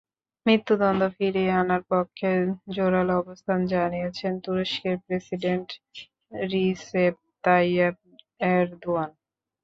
মৃত্যুদণ্ড ফিরিয়ে আনার পক্ষে জোরালো অবস্থান জানিয়েছেন তুরস্কের প্রেসিডেন্ট রিসেপ তাইয়েপ এরদোয়ান।